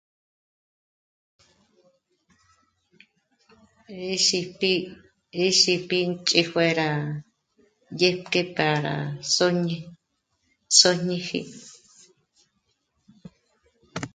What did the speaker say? Gé xíp'i, gé xíp'i ìnkípjuera yépjk'é pára sö̀'ñi, sö̀'ñipji